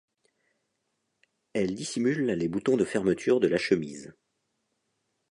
Elle dissimule les boutons de fermeture de la chemise.